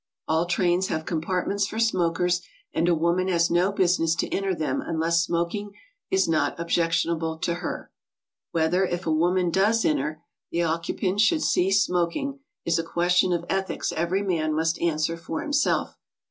All trains have compartments for smokers, and a woman has no business to enter them unless smoking is not objec tionable to her. Whether, if a woman does enter, the occu pants should cease smoking, is a question of ethics every man must answer for himself.